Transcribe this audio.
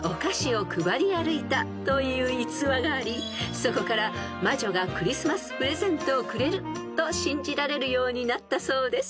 ［そこから魔女がクリスマスプレゼントをくれると信じられるようになったそうです］